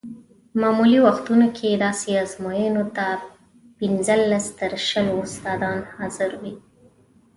معمولي وختونو کې داسې ازموینو ته پنځلس تر شلو استادان حاضر وي.